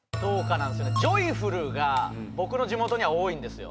ジョイフルが僕の地元には多いんですよ。